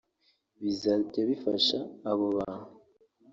bizajya bifasha abo bantu